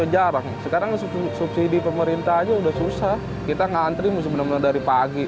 jarang sekarang subsidi pemerintah aja udah susah kita ngantri musim bener bener dari pagi